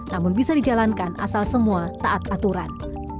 namun bisa dijalankan asal semua taat aturan